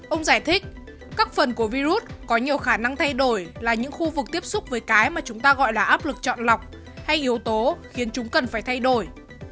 ông giải thích các phần của virus có nhiều khả năng thay đổi là những khu vực tiếp xúc với cái mà chúng ta gọi là áp lực chọn lọc hay yếu tố khiến chúng cần phải thay đổi